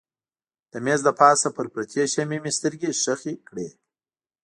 د مېز له پاسه پر پرتې شمعې مې سترګې ښخې کړې.